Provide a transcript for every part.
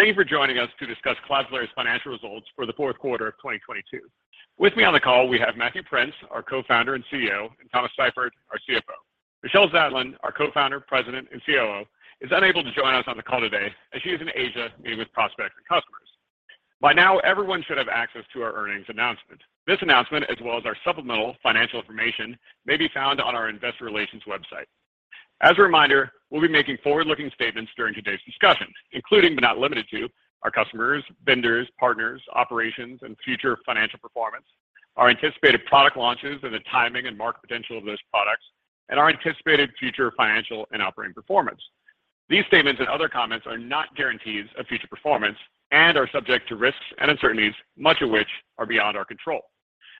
Thank you for joining us to discuss Cloudflare's Financial Results for the Fourth Quarter of 2022. With me on the call, we have Matthew Prince, our Co-founder and CEO, and Thomas Seifert, our CFO. Michelle Zatlyn, our Co-founder, President, and COO, is unable to join us on the call today, as she is in Asia meeting with prospects and customers. By now, everyone should have access to our earnings announcement. This announcement, as well as our supplemental financial information, may be found on our investor relations website. As a reminder, we'll be making forward-looking statements during today's discussion, including but not limited to our customers, vendors, partners, operations, and future financial performance, our anticipated product launches and the timing and market potential of those products, and our anticipated future financial and operating performance. These statements and other comments are not guarantees of future performance and are subject to risks and uncertainties, much of which are beyond our control.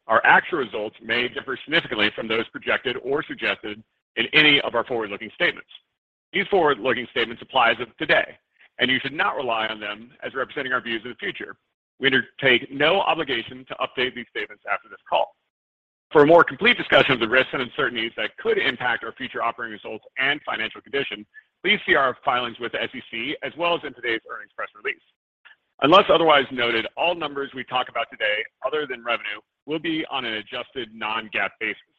Our actual results may differ significantly from those projected or suggested in any of our forward-looking statements. These forward-looking statements apply as of today. You should not rely on them as representing our views of the future. We undertake no obligation to update these statements after this call. For a more complete discussion of the risks and uncertainties that could impact our future operating results and financial condition, please see our filings with the SEC, as well as in today's earnings press release. Unless otherwise noted, all numbers we talk about today other than revenue will be on an adjusted non-GAAP basis.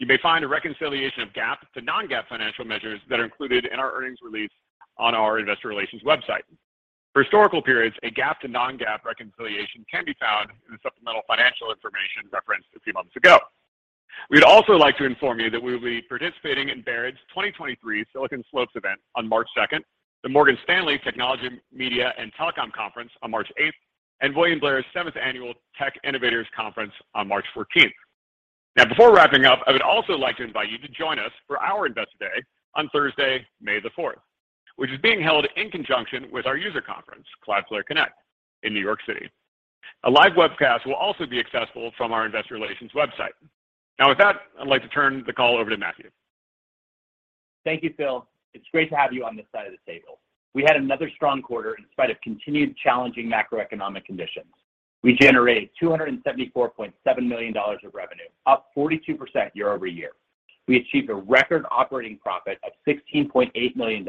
You may find a reconciliation of GAAP to non-GAAP financial measures that are included in our earnings release on our investor relations website. For historical periods, a GAAP to non-GAAP reconciliation can be found in the supplemental financial information referenced a few moments ago. We'd also like to inform you that we will be participating in Baird's 2023 Silicon Slopes event on March 2nd, the Morgan Stanley Technology, Media, and Telecom conference on March 8, and William Blair's 7th Annual Tech Innovators Conference on March 14. Before wrapping up, I would also like to invite you to join us for our Investor Day on Thursday, May the 4th, which is being held in conjunction with our user conference, Cloudflare Connect, in New York City. A live webcast will also be accessible from our investor relations website. With that, I'd like to turn the call over to Matthew. Thank you, Phil. It's great to have you on this side of the table. We had another strong quarter in spite of continued challenging macroeconomic conditions. We generated $274.7 million of revenue, up 42% year-over-year. We achieved a record operating profit of $16.8 million,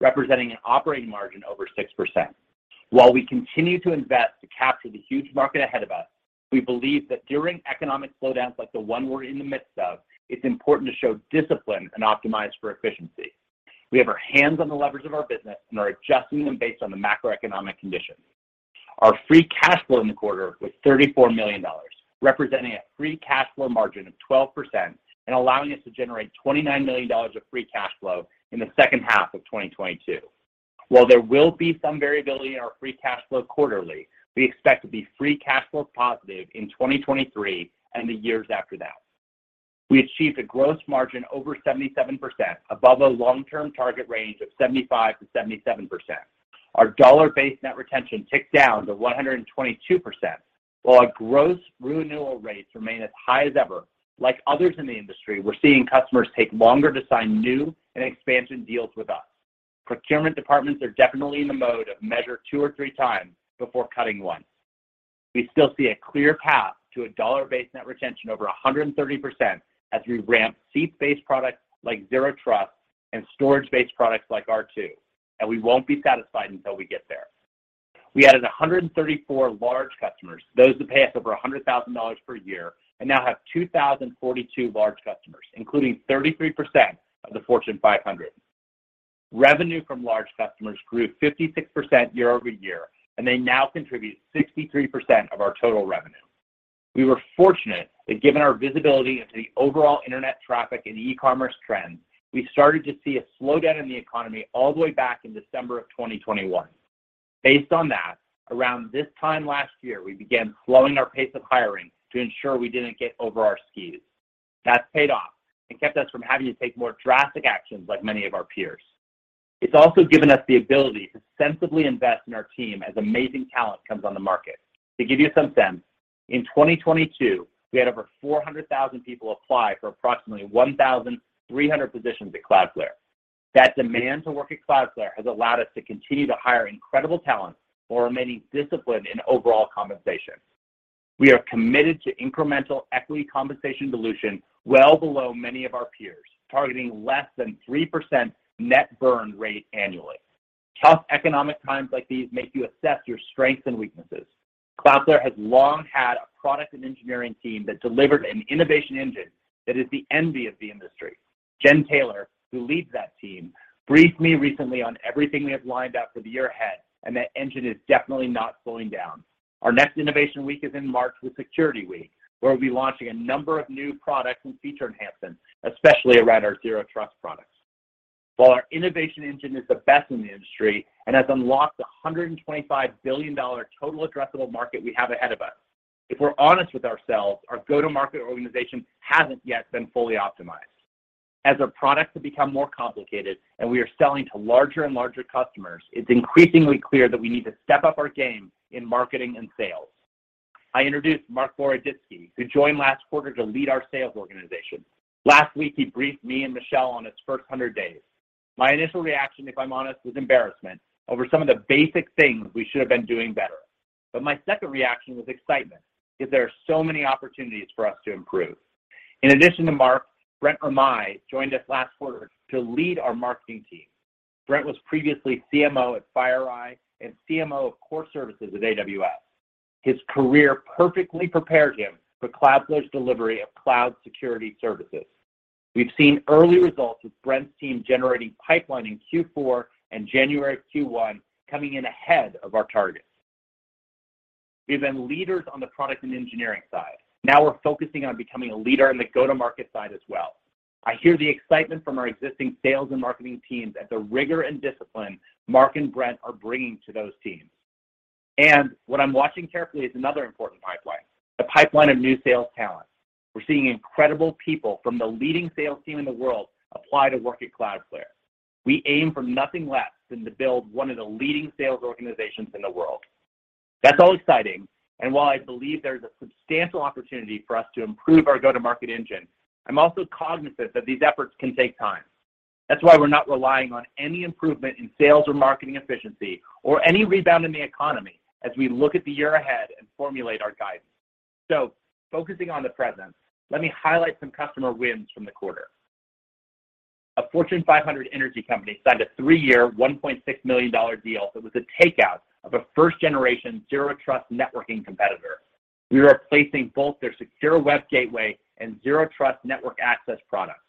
representing an operating margin over 6%. We continue to invest to capture the huge market ahead of us, we believe that during economic slowdowns like the one we're in the midst of, it's important to show discipline and optimize for efficiency. We have our hands on the levers of our business and are adjusting them based on the macroeconomic conditions. Our free cash flow in the quarter was $34 million, representing a free cash flow margin of 12% allowing us to generate $29 million of free cash flow in the second half of 2022. While there will be some variability in our free cash flow quarterly, we expect to be free cash flow positive in 2023 and the years after that. We achieved a gross margin over 77%, above our long-term target range of 75%-77%. Our dollar-based net retention ticked down to 122%. While our gross renewal rates remain as high as ever, like others in the industry, we're seeing customers take longer to sign new and expansion deals with us. Procurement departments are definitely in the mode of measure 2 or 3 times before cutting once. We still see a clear path to a dollar-based net retention over 130% as we ramp seat-based products like Zero Trust and storage-based products like R2, and we won't be satisfied until we get there. We added 134 large customers, those that pay us over $100,000 per year, and now have 2,042 large customers, including 33% of the Fortune 500. Revenue from large customers grew 56% year-over-year, and they now contribute 63% of our total revenue. We were fortunate that given our visibility into the overall internet traffic and e-commerce trends, we started to see a slowdown in the economy all the way back in December 2021. Based on that, around this time last year, we began slowing our pace of hiring to ensure we didn't get over our skis. That's paid off and kept us from having to take more drastic actions like many of our peers. It's also given us the ability to sensibly invest in our team as amazing talent comes on the market. To give you some sense, in 2022, we had over 400,000 people apply for approximately 1,300 positions at Cloudflare. That demand to work at Cloudflare has allowed us to continue to hire incredible talent while remaining disciplined in overall compensation. We are committed to incremental equity compensation dilution well below many of our peers, targeting less than 3% net burn rate annually. Tough economic times like these make you assess your strengths and weaknesses. Cloudflare has long had a product and engineering team that delivered an innovation engine that is the envy of the industry. Jen Taylor, who leads that team, briefed me recently on everything we have lined up for the year ahead, and that engine is definitely not slowing down. Our next innovation week is in March with Security Week, where we'll be launching a number of new products and feature enhancements, especially around our Zero Trust products. While our innovation engine is the best in the industry and has unlocked a $125 billion total addressable market we have ahead of us, if we're honest with ourselves, our go-to-market organization hasn't yet been fully optimized. As our products have become more complicated and we are selling to larger and larger customers, it's increasingly clear that we need to step up our game in marketing and sales. I introduced Marc Boroditsky, who joined last quarter to lead our sales organization. Last week, he briefed me and Michelle on his first 100 days. My initial reaction, if I'm honest, was embarrassment over some of the basic things we should have been doing better. My second reaction was excitement because there are so many opportunities for us to improve. In addition to Marc, Brent Remai joined us last quarter to lead our marketing team. Brent was previously CMO at FireEye and CMO of Core Services at AWS. His career perfectly prepared him for Cloudflare's delivery of cloud security services. We've seen early results with Brent's team generating pipeline in Q4 and January of Q1 coming in ahead of our targets. We've been leaders on the product and engineering side. Now we're focusing on becoming a leader in the go-to-market side as well. I hear the excitement from our existing sales and marketing teams at the rigor and discipline Marc and Brent are bringing to those teams. What I'm watching carefully is another important pipeline, the pipeline of new sales talent. We're seeing incredible people from the leading sales team in the world apply to work at Cloudflare. We aim for nothing less than to build one of the leading sales organizations in the world. That's all exciting. While I believe there's a substantial opportunity for us to improve our go-to-market engine, I'm also cognizant that these efforts can take time. That's why we're not relying on any improvement in sales or marketing efficiency or any rebound in the economy as we look at the year ahead and formulate our guidance. Focusing on the present, let me highlight some customer wins from the quarter. A Fortune 500 energy company signed a 3-year, $1.6 million deal that was a takeout of a first-generation Zero Trust networking competitor. We were replacing both their Secure Web Gateway and Zero Trust Network Access products.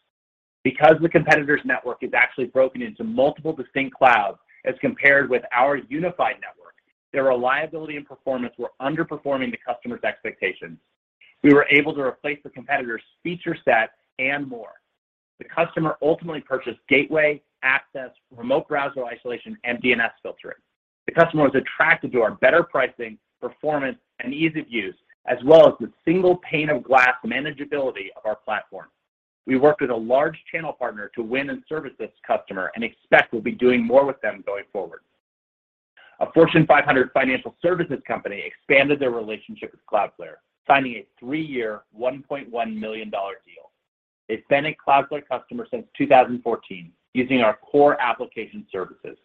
Because the competitor's network is actually broken into multiple distinct clouds as compared with our unified network, their reliability and performance were underperforming the customer's expectations. We were able to replace the competitor's feature set and more. The customer ultimately purchased Gateway, Access, Remote Browser Isolation, and DNS filtering. The customer was attracted to our better pricing, performance, and ease of use, as well as the single pane of glass manageability of our platform. We worked with a large channel partner to win and service this customer and expect we'll be doing more with them going forward. A Fortune 500 financial services company expanded their relationship with Cloudflare, signing a 3-year, $1.1 million deal. They've been a Cloudflare customer since 2014 using our core application services.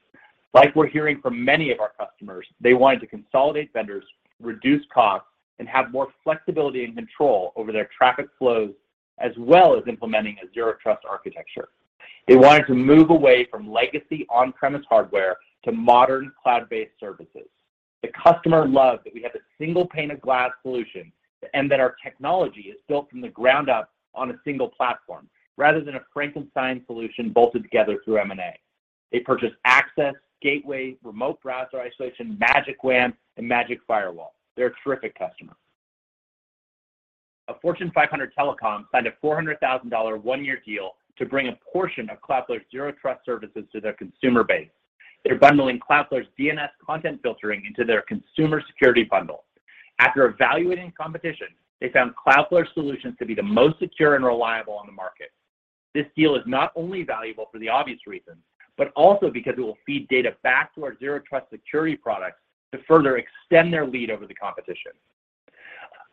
Like we're hearing from many of our customers, they wanted to consolidate vendors, reduce costs, and have more flexibility and control over their traffic flows, as well as implementing a Zero Trust architecture. They wanted to move away from legacy on-premise hardware to modern cloud-based services. The customer loved that we have a single pane of glass solution and that our technology is built from the ground up on a single platform rather than a Frankenstein solution bolted together through M&A. They purchased Access, Gateway, Remote Browser Isolation, Magic WAN, and Magic Firewall. They're a terrific customer. A Fortune 500 telecom signed a $400,000 1-year deal to bring a portion of Cloudflare's Zero Trust services to their consumer base. They're bundling Cloudflare's DNS content filtering into their consumer security bundle. After evaluating competition, they found Cloudflare's solutions to be the most secure and reliable on the market. This deal is not only valuable for the obvious reasons, but also because it will feed data back to our Zero Trust security products to further extend their lead over the competition.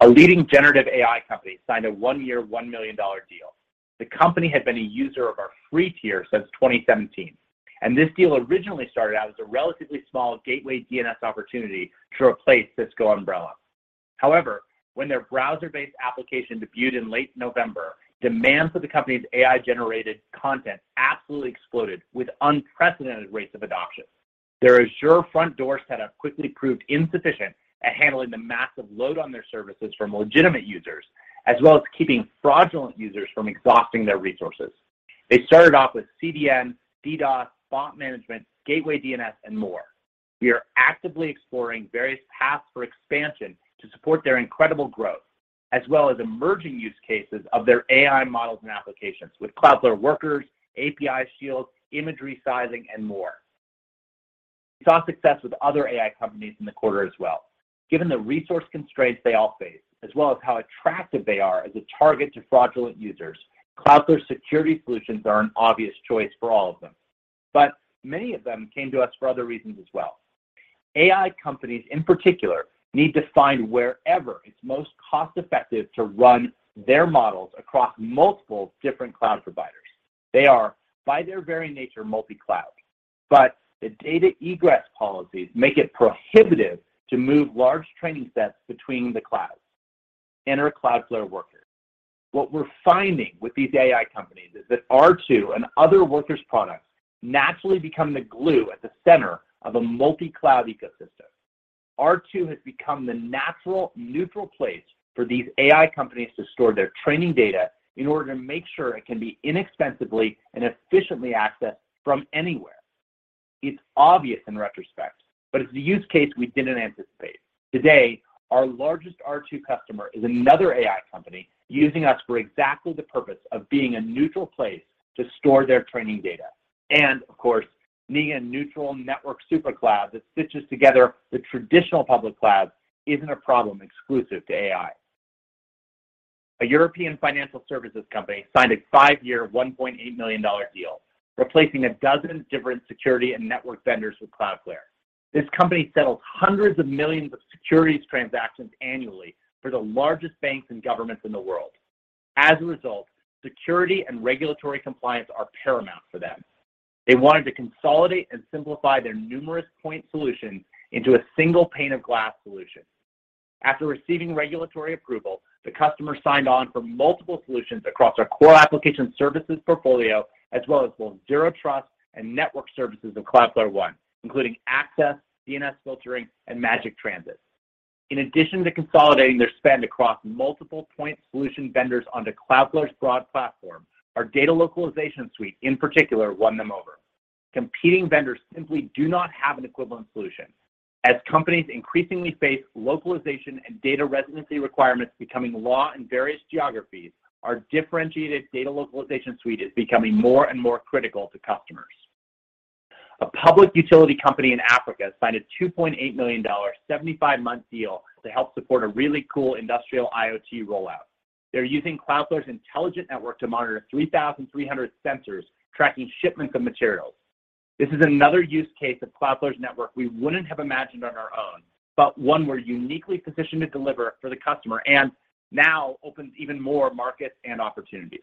A leading generative AI company signed a 1-year, $1 million deal. The company had been a user of our free tier since 2017, and this deal originally started out as a relatively small Gateway DNS opportunity to replace Cisco Umbrella. However, when their browser-based application debuted in late November, demand for the company's AI-generated content absolutely exploded with unprecedented rates of adoption. Their Azure Front Door setup quickly proved insufficient at handling the massive load on their services from legitimate users, as well as keeping fraudulent users from exhausting their resources. They started off with CDN, DDoS, Bot Management, Gateway DNS, and more. We are actively exploring various paths for expansion to support their incredible growth, as well as emerging use cases of their AI models and applications with Cloudflare Workers, API Shield, Image Resizing, and more. We saw success with other AI companies in the quarter as well. Given the resource constraints they all face, as well as how attractive they are as a target to fraudulent users, Cloudflare's security solutions are an obvious choice for all of them. But many of them came to us for other reasons as well. AI companies in particular need to find wherever it's most cost effective to run their models across multiple different cloud providers. They are by their very nature multi-cloud, but the data egress policies make it prohibitive to move large training sets between the clouds. Enter Cloudflare Workers. What we're finding with these AI companies is that R2 and other Workers products naturally become the glue at the center of a multi-cloud ecosystem. R2 has become the natural neutral place for these AI companies to store their training data in order to make sure it can be inexpensively and efficiently accessed from anywhere. It's obvious in retrospect, but it's a use case we didn't anticipate. Today, our largest R2 customer is another AI company using us for exactly the purpose of being a neutral place to store their training data. Of course, being a neutral network Supercloud that stitches together the traditional public clouds isn't a problem exclusive to AI. A European financial services company signed a 5-year, $1.8 million deal, replacing 12 different security and network vendors with Cloudflare. This company settles hundreds of millions of securities transactions annually for the largest banks and governments in the world. As a result, security and regulatory compliance are paramount for them. They wanted to consolidate and simplify their numerous point solutions into a single pane of glass solution. After receiving regulatory approval, the customer signed on for multiple solutions across our core application services portfolio, as well as both Zero Trust and network services of Cloudflare One, including Access, DNS filtering, and Magic Transit. In addition to consolidating their spend across multiple point solution vendors onto Cloudflare's broad platform, our Data Localization Suite, in particular, won them over. Competing vendors simply do not have an equivalent solution. As companies increasingly face localization and data residency requirements becoming law in various geographies, our differentiated Data Localization Suite is becoming more and more critical to customers. A public utility company in Africa signed a $2.8 million 75-month deal to help support a really cool industrial IoT rollout. They're using Cloudflare's intelligent network to monitor 3,300 sensors, tracking shipments of materials. This is another use case of Cloudflare's network we wouldn't have imagined on our own, but one we're uniquely positioned to deliver for the customer, and now opens even more markets and opportunities.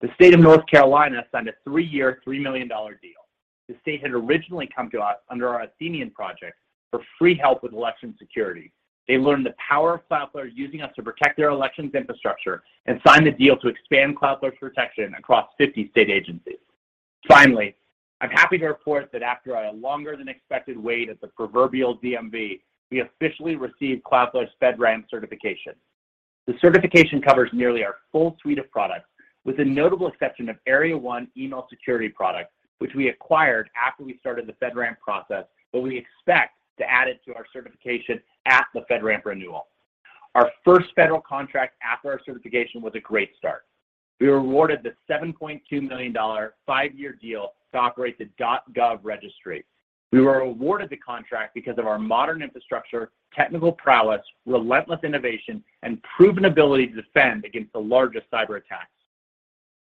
The state of North Carolina signed a 3-year, $3 million deal. The state had originally come to us under our Athenian Project for free help with election security. They learned the power of Cloudflare using us to protect their elections infrastructure and signed the deal to expand Cloudflare's protection across 50 state agencies. I'm happy to report that after a longer than expected wait at the proverbial DMV, we officially received Cloudflare's FedRAMP certification. The certification covers nearly our full suite of products, with the notable exception of Area 1 email security product, which we acquired after we started the FedRAMP process, but we expect to add it to our certification at the FedRAMP renewal. Our first federal contract after our certification was a great start. We were awarded the $7.2 million 5-year deal to operate the .gov registry. We were awarded the contract because of our modern infrastructure, technical prowess, relentless innovation, and proven ability to defend against the largest cyber attacks.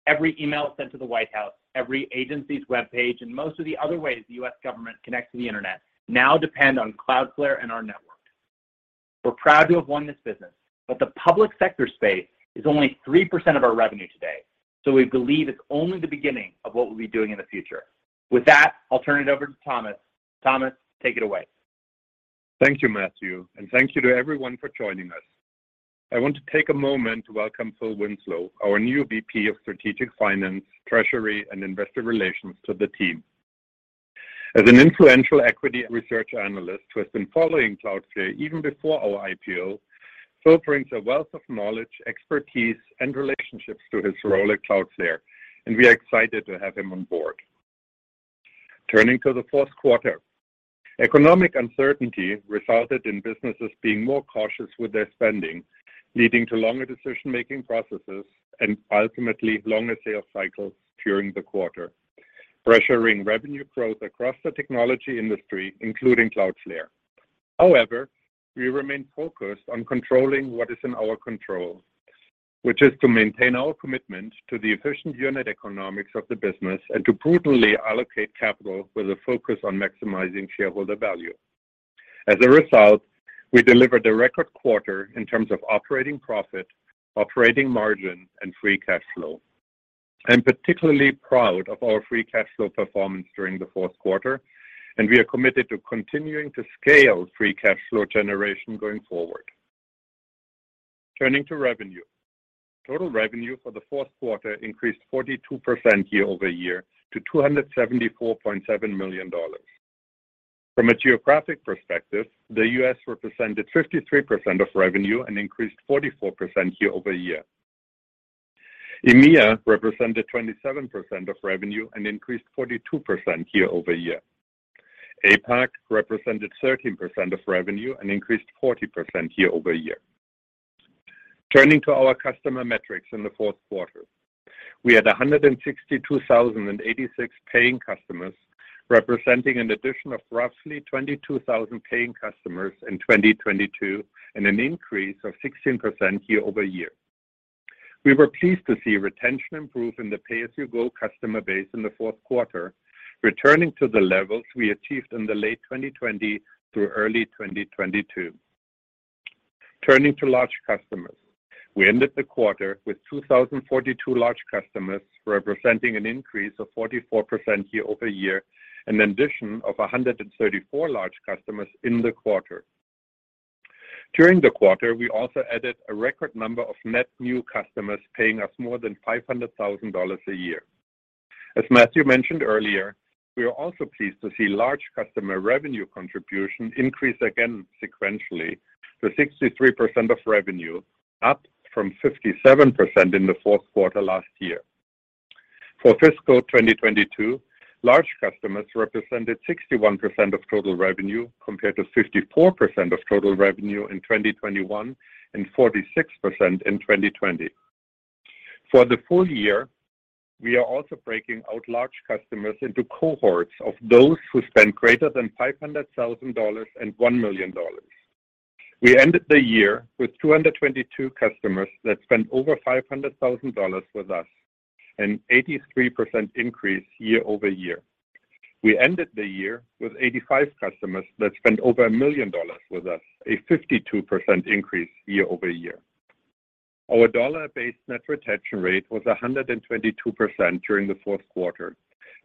Every email sent to the White House, every agency's webpage, and most of the other ways the U.S. government connects to the Internet now depend on Cloudflare and our network. We're proud to have won this business, the public sector space is only 3% of our revenue today. We believe it's only the beginning of what we'll be doing in the future. With that, I'll turn it over to Thomas. Thomas, take it away. Thank you, Matthew, and thank you to everyone for joining us. I want to take a moment to welcome Phil Winslow, our new VP of Strategic Finance, Treasury, and Investor Relations to the team. As an influential equity research analyst who has been following Cloudflare even before our IPO, Phil brings a wealth of knowledge, expertise, and relationships to his role at Cloudflare, and we are excited to have him on board. Turning to the fourth quarter, economic uncertainty resulted in businesses being more cautious with their spending, leading to longer decision-making processes and ultimately longer sales cycles during the quarter, pressuring revenue growth across the technology industry, including Cloudflare. We remain focused on controlling what is in our control, which is to maintain our commitment to the efficient unit economics of the business and to prudently allocate capital with a focus on maximizing shareholder value. As a result, we delivered a record quarter in terms of operating profit, operating margin, and free cash flow. I'm particularly proud of our free cash flow performance during the fourth quarter. We are committed to continuing to scale free cash flow generation going forward. Turning to revenue. Total revenue for the fourth quarter increased 42% year-over-year to $274.7 million. From a geographic perspective, the U.S. represented 53% of revenue and increased 44% year-over-year. EMEA represented 27% of revenue and increased 42% year-over-year. APAC represented 13% of revenue and increased 40% year-over-year. Turning to our customer metrics in the fourth quarter. We had 162,086 paying customers, representing an addition of roughly 22,000 paying customers in 2022 and an increase of 16% year-over-year. We were pleased to see retention improve in the pay-as-you-go customer base in the fourth quarter, returning to the levels we achieved in the late 2020 through early 2022. Turning to large customers. We ended the quarter with 2,042 large customers, representing an increase of 44% year-over-year, an addition of 134 large customers in the quarter. During the quarter, we also added a record number of net new customers paying us more than $500,000 a year. As Matthew mentioned earlier, we are also pleased to see large customer revenue contribution increase again sequentially to 63% of revenue, up from 57% in the fourth quarter last year. For fiscal 2022, large customers represented 61% of total revenue compared to 54% of total revenue in 2021 and 46% in 2020. For the full year, we are also breaking out large customers into cohorts of those who spend greater than $500,000 and $1 million. We ended the year with 222 customers that spent over $500,000 with us, an 83% increase year-over-year. We ended the year with 85 customers that spent over $1 million with us, a 52% increase year-over-year. Our dollar-based net retention rate was 122% during the fourth quarter,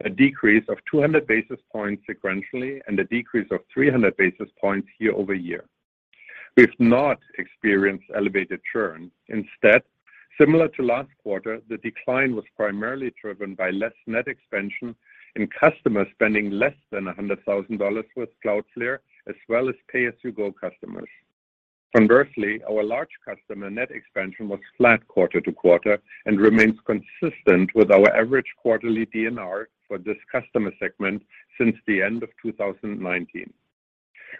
a decrease of 200 basis points sequentially, and a decrease of 300 basis points year-over-year. We've not experienced elevated churn. Instead, similar to last quarter, the decline was primarily driven by less net expansion in customers spending less than $100 thousand with Cloudflare, as well as pay-as-you-go customers. Conversely, our large customer net expansion was flat quarter-to-quarter and remains consistent with our average quarterly DNR for this customer segment since the end of 2019.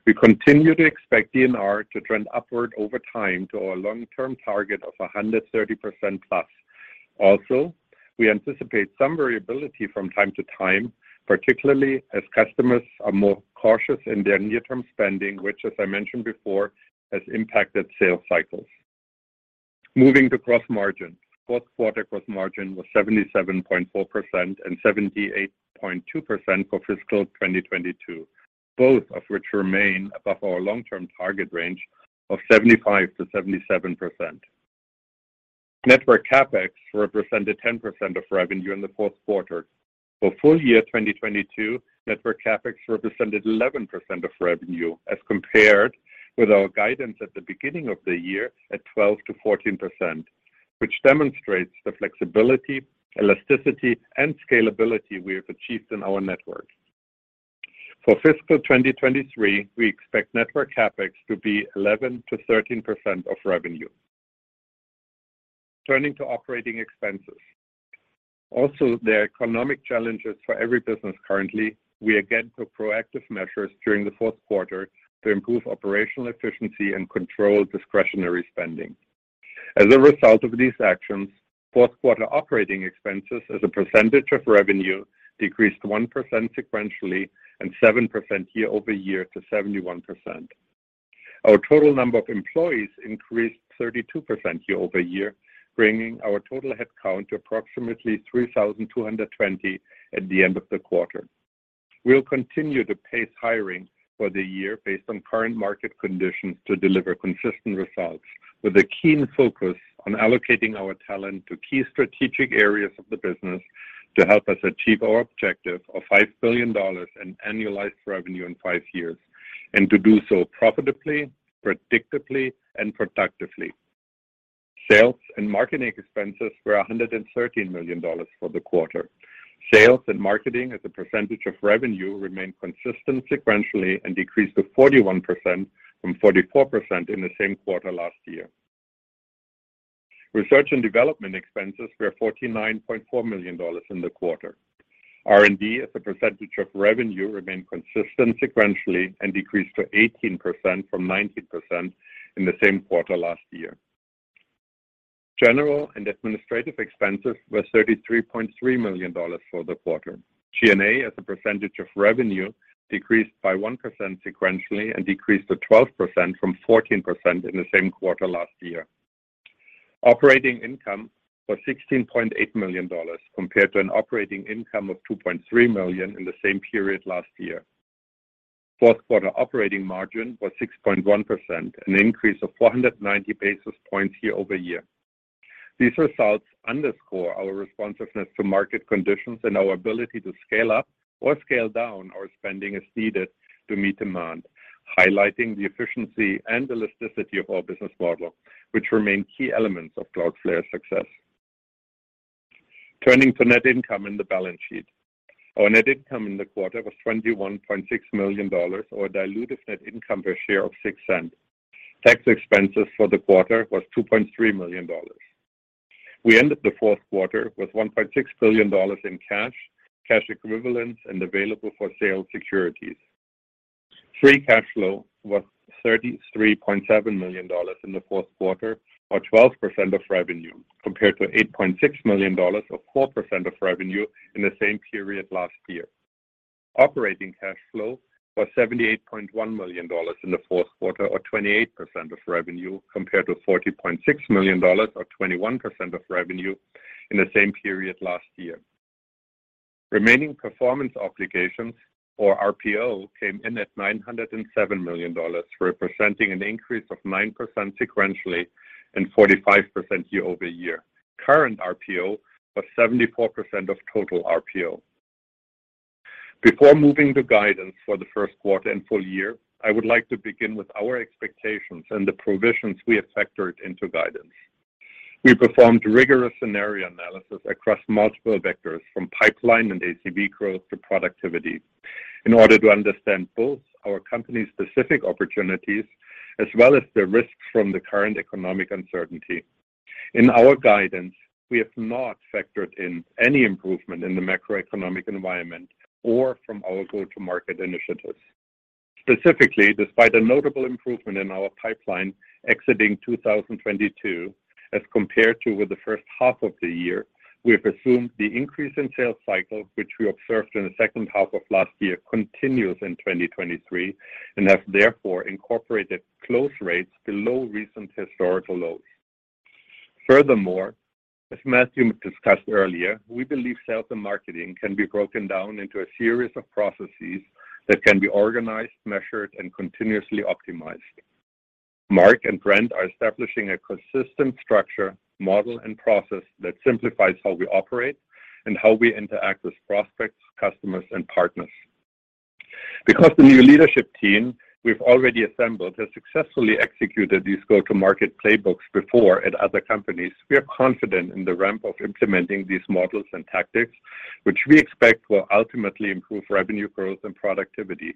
We continue to expect DNR to trend upward over time to our long-term target of 130%+. We anticipate some variability from time to time, particularly as customers are more cautious in their near-term spending, which as I mentioned before, has impacted sales cycles. Moving to gross margin. Q4 gross margin was 77.4% and 78.2% for fiscal 2022, both of which remain above our long-term target range of 75%-77%. Network CapEx represented 10% of revenue in Q4. For full year 2022, network CapEx represented 11% of revenue as compared with our guidance at the beginning of the year at 12%-14%, which demonstrates the flexibility, elasticity, and scalability we have achieved in our network. For fiscal 2023, we expect network CapEx to be 11%-13% of revenue. Turning to operating expenses. There are economic challenges for every business currently. We again took proactive measures during Q4 to improve operational efficiency and control discretionary spending. As a result of these actions, fourth quarter operating expenses as a percentage of revenue decreased 1% sequentially and 7% year-over-year to 71%. Our total number of employees increased 32% year-over-year, bringing our total headcount to approximately 3,220 at the end of the quarter. We'll continue to pace hiring for the year based on current market conditions to deliver consistent results with a keen focus on allocating our talent to key strategic areas of the business to help us achieve our objective of $5 billion in annualized revenue in 5 years, and to do so profitably, predictably, and productively. Sales and marketing expenses were $113 million for the quarter. Sales and marketing as a percentage of revenue remained consistent sequentially and decreased to 41% from 44% in the same quarter last year. Research and development expenses were $49.4 million in the quarter. R&D as a percentage of revenue remained consistent sequentially and decreased to 18% from 19% in the same quarter last year. General and administrative expenses were $33.3 million for the quarter. G&A as a percentage of revenue decreased by 1% sequentially and decreased to 12% from 14% in the same quarter last year. Operating income was $16.8 million compared to an operating income of $2.3 million in the same period last year. Fourth quarter operating margin was 6.1%, an increase of 490 basis points year-over-year. These results underscore our responsiveness to market conditions and our ability to scale up or scale down our spending as needed to meet demand, highlighting the efficiency and elasticity of our business model, which remain key elements of Cloudflare's success. Turning to net income and the balance sheet. Our net income in the quarter was $21.6 million or diluted net income per share of $0.06. Tax expenses for the quarter was $2.3 million. We ended the fourth quarter with $1.6 billion in cash equivalents, and available for sale securities. Free cash flow was $33.7 million in the fourth quarter or 12% of revenue, compared to $8.6 million or 4% of revenue in the same period last year. Operating cash flow was $78.1 million in the fourth quarter or 28% of revenue, compared to $40.6 million or 21% of revenue in the same period last year. Remaining performance obligations or RPO came in at $907 million, representing an increase of 9% sequentially and 45% year-over-year. Current RPO was 74% of total RPO. Before moving to guidance for the first quarter and full year, I would like to begin with our expectations and the provisions we have factored into guidance. We performed rigorous scenario analysis across multiple vectors from pipeline and ACV growth to productivity in order to understand both our company's specific opportunities as well as the risks from the current economic uncertainty. In our guidance, we have not factored in any improvement in the macroeconomic environment or from our go-to-market initiatives. Specifically, despite a notable improvement in our pipeline exiting 2022 as compared with the first half of the year, we have assumed the increase in sales cycle, which we observed in the second half of last year, continues in 2023 and have therefore incorporated close rates below recent historical lows. As Matthew discussed earlier, we believe sales and marketing can be broken down into a series of processes that can be organized, measured, and continuously optimized. Marc and Brent are establishing a consistent structure, model, and process that simplifies how we operate and how we interact with prospects, customers, and partners. Because the new leadership team we've already assembled has successfully executed these go-to-market playbooks before at other companies, we are confident in the ramp of implementing these models and tactics, which we expect will ultimately improve revenue growth and productivity.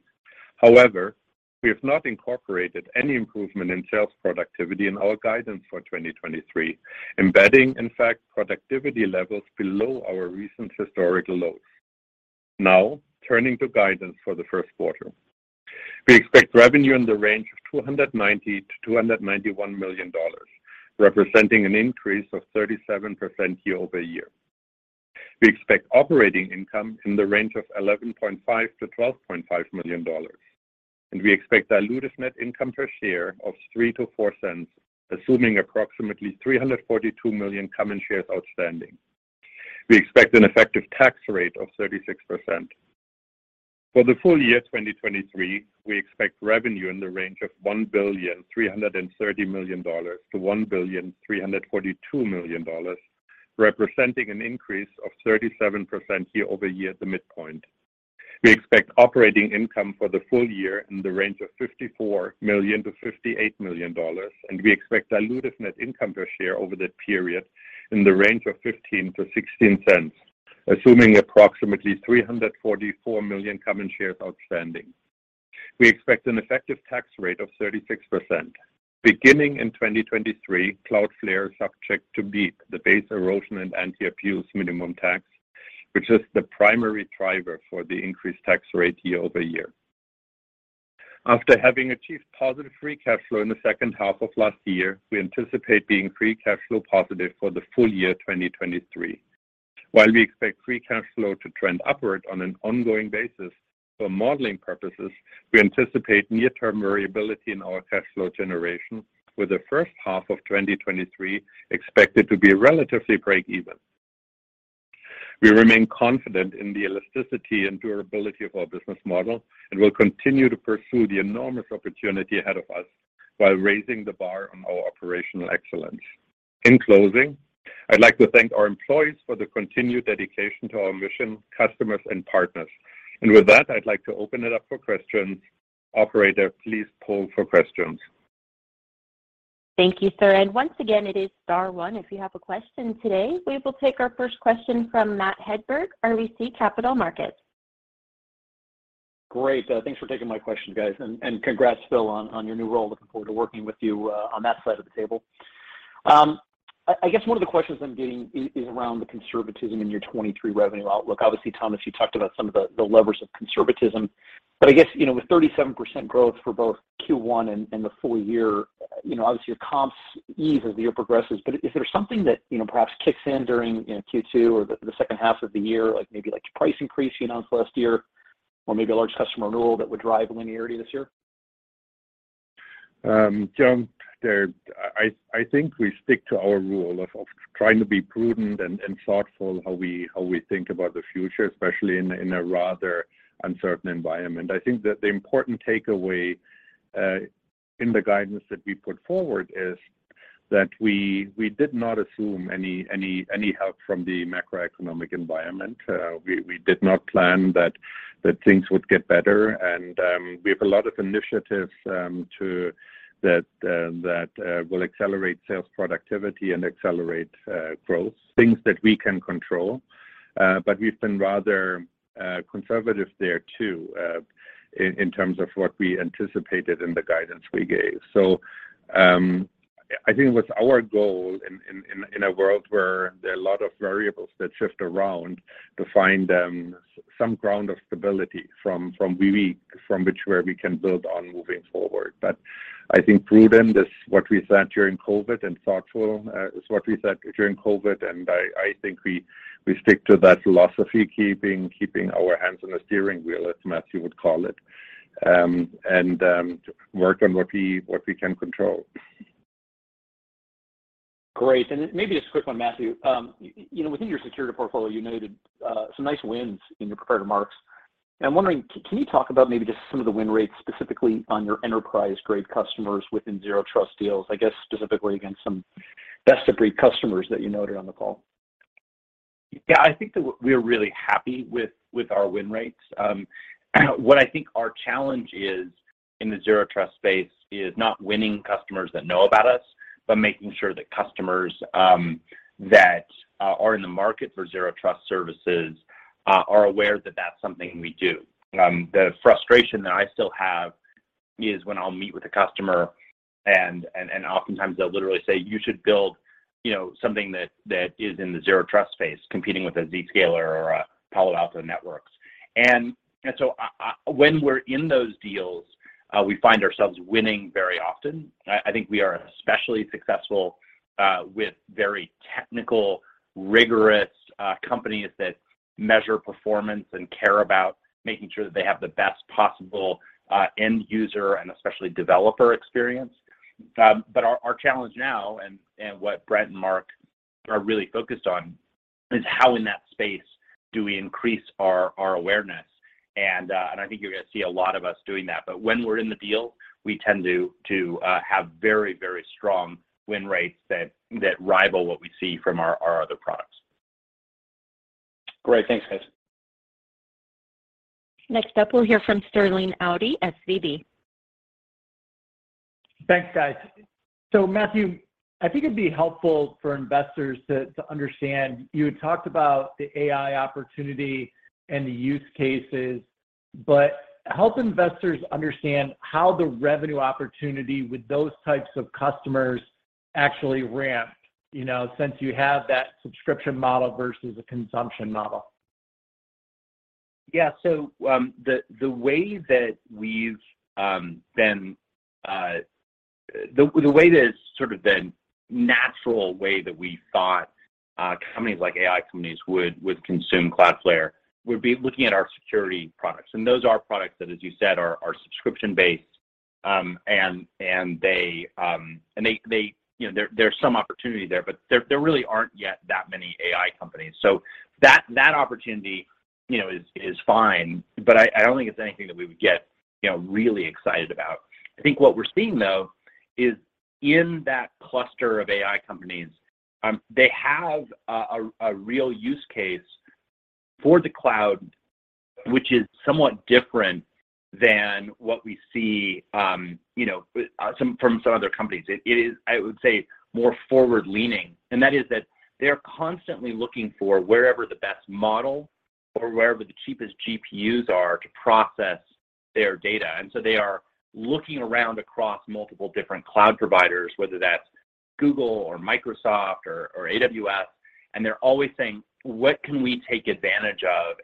However, we have not incorporated any improvement in sales productivity in our guidance for 2023, embedding, in fact, productivity levels below our recent historical lows. Turning to guidance for the first quarter. We expect revenue in the range of $290 million-$291 million, representing an increase of 37% year-over-year. We expect operating income in the range of $11.5 million-$12.5 million. We expect dilutive net income per share of $0.03-$0.04, assuming approximately 342 million common shares outstanding. We expect an effective tax rate of 36%. For the full year 2023, we expect revenue in the range of $1.33 billion-$1.342 billion, representing an increase of 37% year-over-year at the midpoint. We expect operating income for the full year in the range of $54 million-$58 million, and we expect dilutive net income per share over that period in the range of $0.15-$0.16, assuming approximately 344 million common shares outstanding. We expect an effective tax rate of 36%. Beginning in 2023, Cloudflare is subject to BEAT, the Base Erosion and Anti-Abuse Minimum Tax, which is the primary driver for the increased tax rate year-over-year. After having achieved positive free cash flow in the second half of last year, we anticipate being free cash flow positive for the full year 2023. While we expect free cash flow to trend upward on an ongoing basis for modeling purposes, we anticipate near-term variability in our cash flow generation, with the first half of 2023 expected to be relatively break even. We remain confident in the elasticity and durability of our business model and will continue to pursue the enormous opportunity ahead of us while raising the bar on our operational excellence. In closing, I'd like to thank our employees for the continued dedication to our mission, customers, and partners. With that, I'd like to open it up for questions. Operator, please poll for questions. Thank you, sir. Once again, it is star one if you have a question today. We will take our first question from Matt Hedberg, RBC Capital Markets. Great. Thanks for taking my question, guys. Congrats, Phil, on your new role. Looking forward to working with you, on that side of the table. I guess one of the questions I'm getting is around the conservatism in your 2023 revenue outlook. Obviously, Thomas, you talked about some of the levers of conservatism, but I guess, you know, with 37% growth for both Q1 and the full year, you know, obviously your comps ease as the year progresses. Is there something that, you know, perhaps kicks in during, you know, Q2 or the second half of the year, like maybe like your price increase you announced last year, or maybe a large customer renewal that would drive linearity this year? John, I think we stick to our rule of trying to be prudent and thoughtful how we think about the future, especially in a rather uncertain environment. I think that the important takeaway in the guidance that we put forward is that we did not assume any help from the macroeconomic environment. We did not plan that things would get better. We have a lot of initiatives that will accelerate sales productivity and accelerate growth, things that we can control. But we've been rather conservative there too, in terms of what we anticipated in the guidance we gave. I think it was our goal in a world where there are a lot of variables that shift around to find some ground of stability from which where we can build on moving forward. I think prudent is what we said during COVID, and thoughtful is what we said during COVID. I think we stick to that philosophy, keeping our hands on the steering wheel, as Matthew would call it, and work on what we can control. Great. Maybe just a quick one, Matthew. You know, within your security portfolio, you noted some nice wins in your prepared remarks. I'm wondering, can you talk about maybe just some of the win rates specifically on your enterprise-grade customers within Zero Trust deals, I guess specifically against some best-of-breed customers that you noted on the call? I think that we're really happy with our win rates. What I think our challenge is in the Zero Trust space is not winning customers that know about us, but making sure that customers, that are in the market for Zero Trust services, are aware that that's something we do. The frustration that I still have is when I'll meet with a customer and oftentimes they'll literally say, "You should build, you know, something that is in the Zero Trust space competing with a Zscaler or a Palo Alto Networks." When we're in those deals, we find ourselves winning very often. I think we are especially successful with very technical, rigorous companies that measure performance and care about making sure that they have the best possible end user, and especially developer experience. Our challenge now and what Brent and Marc are really focused on is how in that space do we increase our awareness. I think you're gonna see a lot of us doing that. When we're in the deal, we tend to have very, very strong win rates that rival what we see from our other products. Great. Thanks, guys. Next up, we'll hear from Sterling Auty, SVB. Thanks, guys. Matthew, I think it'd be helpful for investors to understand, you had talked about the AI opportunity and the use cases, but help investors understand how the revenue opportunity with those types of customers actually ramped, you know, since you have that subscription model versus a consumption model. Yeah. The way that's sort of been natural way that we thought companies like AI companies would consume Cloudflare would be looking at our security products, and those are products that, as you said, are subscription-based. They, you know, there's some opportunity there, but there really aren't yet that many AI companies. That opportunity, you know, is fine, but I don't think it's anything that we would get, you know, really excited about. I think what we're seeing though is in that cluster of AI companies, they have a real use case for the cloud, which is somewhat different than what we see, you know, some from some other companies. It is, I would say, more forward-leaning, and that is that they're constantly looking for wherever the best model or wherever the cheapest GPUs are to process their data. They are looking around across multiple different cloud providers, whether that's Google or Microsoft or AWS, and they're always saying, "What can we take advantage of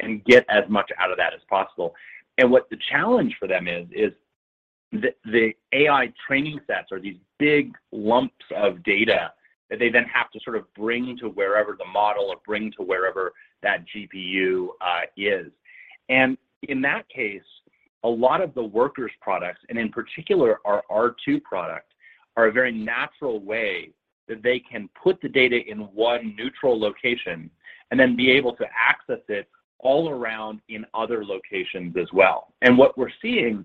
and get as much out of that as possible?" What the challenge for them is, the AI training sets are these big lumps of data that they then have to sort of bring to wherever the model or bring to wherever that GPU is. In that case, a lot of the Workers products, and in particular our R2 product, are a very natural way that they can put the data in one neutral location and then be able to access it all around in other locations as well. What we're seeing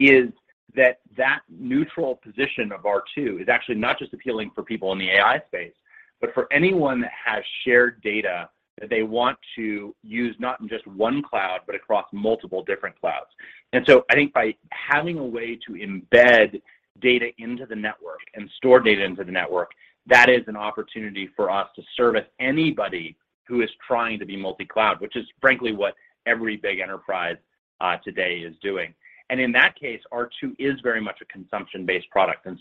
is that that neutral position of R2 is actually not just appealing for people in the AI space, but for anyone that has shared data that they want to use, not in just one cloud, but across multiple different clouds. I think by having a way to embed data into the network and store data into the network, that is an opportunity for us to service anybody who is trying to be multi-cloud, which is frankly what every big enterprise today is doing. In that case, R2 is very much a consumption-based product. As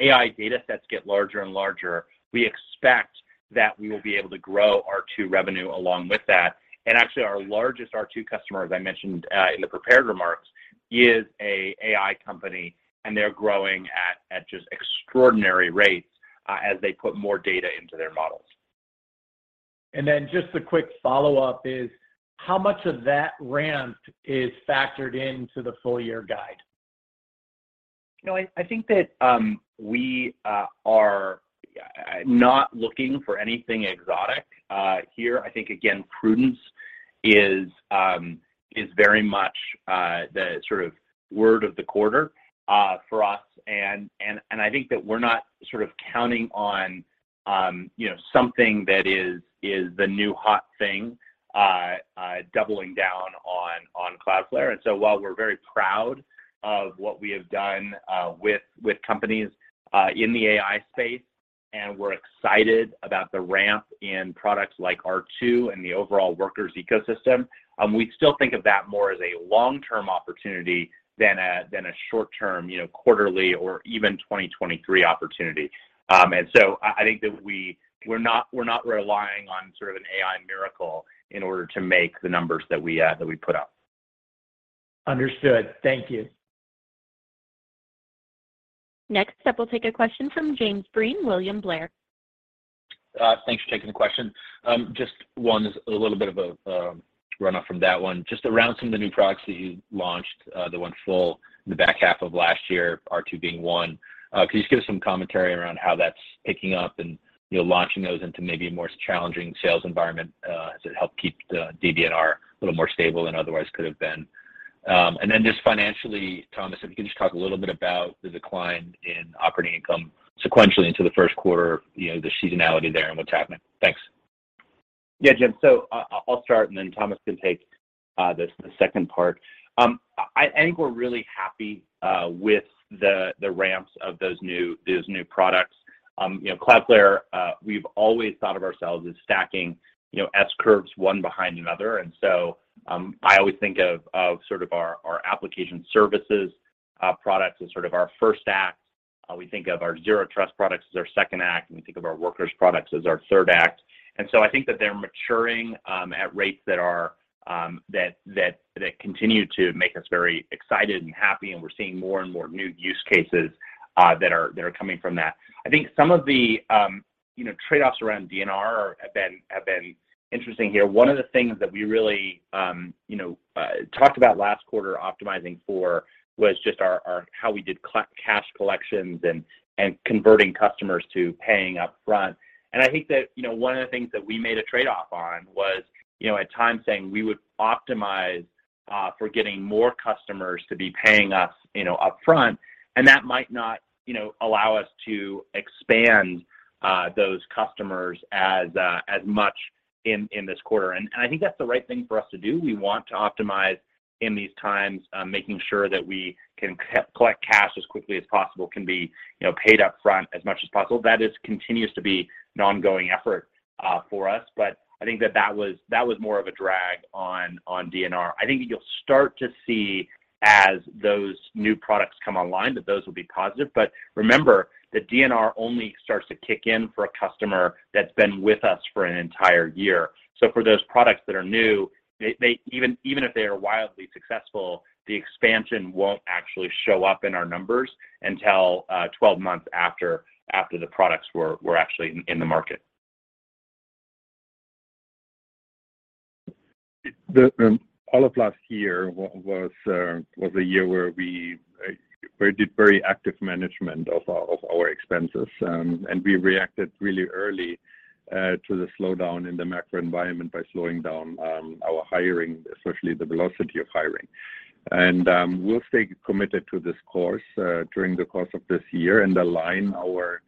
AI data sets get larger and larger, we expect that we will be able to grow R2 revenue along with that. Actually, our largest R2 customer, as I mentioned, in the prepared remarks, is a AI company, and they're growing at just extraordinary rates, as they put more data into their models. Just a quick follow-up is how much of that ramp is factored into the full year guide? You know, I think that we are not looking for anything exotic here. I think again prudence is very much the sort of word of the quarter for us. I think that we're not sort of counting on, you know, something that is the new hot thing doubling down on Cloudflare. While we're very proud of what we have done with companies in the AI space, and we're excited about the ramp in products like R2 and the overall Workers ecosystem, we still think of that more as a long-term opportunity than a short-term, you know, quarterly or even 2023 opportunity. I think that we're not relying on sort of an AI miracle in order to make the numbers that we that we put up. Understood. Thank you. Next up, we'll take a question from Jim Breen, William Blair. Thanks for taking the question. Just one is a little bit of a runoff from that one. Just around some of the new products that you launched, the went full in the back half of last year, R2 being one. Could you just give some commentary around how that's picking up and, you know, launching those into maybe a more challenging sales environment, has it helped keep the NDR a little more stable than otherwise could have been? Just financially, Thomas, if you could just talk a little bit about the decline in operating income sequentially into the first quarter, you know, the seasonality there and what's happening? Thanks. Yeah, Jim. I'll start and then Thomas can take the second part. I think we're really happy with the ramps of those new, those new products. You know, Cloudflare, we've always thought of ourselves as stacking, you know, S curves one behind another. I always think of of sort of our application services products as sort of our first act. We think of our Zero Trust products as our second act, and we think of our Workers products as our third act. I think that they're maturing at rates that are that continue to make us very excited and happy, and we're seeing more and more new use cases that are coming from that. I think some of the, you know, trade-offs around NDR are, have been interesting here. One of the things that we really, you know, talked about last quarter optimizing for was just our how we did cash collections and converting customers to paying upfront. I think that, you know, one of the things that we made a trade-off on was, you know, at times saying we would optimize for getting more customers to be paying us, you know, upfront, and that might not, you know, allow us to expand those customers as much in this quarter. I think that's the right thing for us to do. We want to optimize in these times, making sure that we can co-collect cash as quickly as possible, can be, you know, paid upfront as much as possible. continues to be an ongoing effort for us. I think that that was more of a drag on DNR. I think you'll start to see as those new products come online, that those will be positive. Remember that DNR only starts to kick in for a customer that's been with us for an entire year. For those products that are new, they, even if they are wildly successful, the expansion won't actually show up in our numbers until 12 months after the products were actually in the market. The all of last year was a year where we did very active management of our expenses, and we reacted really early to the slowdown in the macro environment by slowing down our hiring, especially the velocity of hiring. We'll stay committed to this course during the course of this year and align our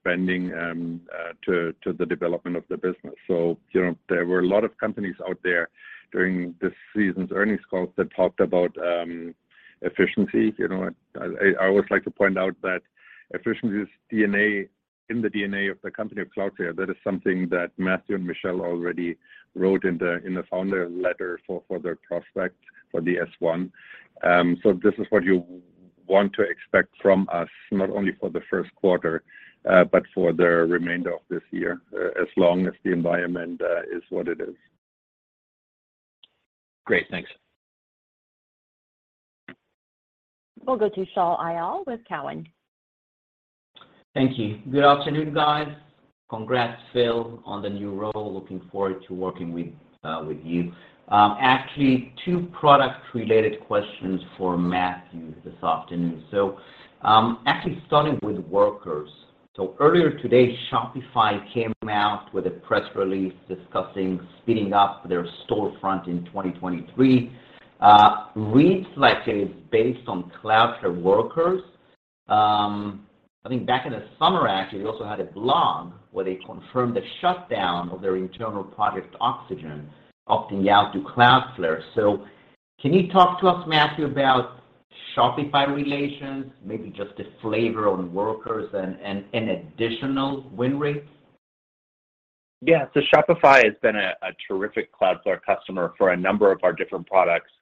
spending to the development of the business. You know, there were a lot of companies out there during this season's earnings calls that talked about efficiency. You know, I always like to point out that efficiency is DNA, in the DNA of the company of Cloudflare. That is something that Matthew and Michelle already wrote in the founder letter for their prospect for the S-1. This is what you want to expect from us, not only for the first quarter, but for the remainder of this year, as long as the environment, is what it is. Great. Thanks. We'll go to Shaul Eyal with Cowen. Thank you. Good afternoon, guys. Congrats, Phil, on the new role. Looking forward to working with you. Actually two product related questions for Matthew this afternoon. Starting with Workers. Earlier today, Shopify came out with a press release discussing speeding up their storefront in 2023. Reads like it is based on Cloudflare Workers. I think back in the summer actually, they also had a blog where they confirmed the shutdown of their internal project Oxygen, opting out to Cloudflare. Can you talk to us, Matthew, about Shopify relations, maybe just a flavor on Workers and additional win rates? Shopify has been a terrific Cloudflare customer for a number of our different products,